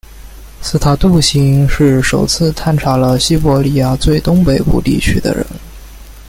斯塔杜欣是首次探查了西伯利亚最东北部地区的人。